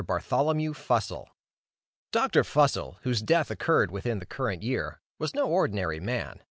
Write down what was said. BARTHOLOMEW FUSSELL. Dr. Fussell, whose death occurred within the current year, was no ordinary man.